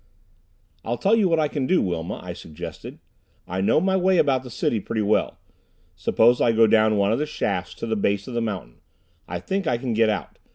"I'll tell you what I can do, Wilma," I suggested. "I know my way about the city pretty well. Suppose I go down one of the shafts to the base of the mountain. I think I can get out.